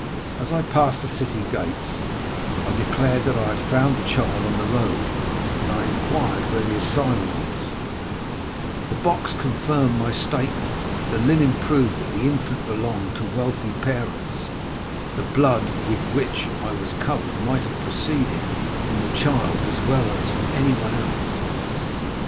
As I passed the city gates I declared that I had found the child on the road, and I inquired where the asylum was; the box confirmed my statement, the linen proved that the infant belonged to wealthy parents, the blood with which I was covered might have proceeded from the child as well as from anyone else.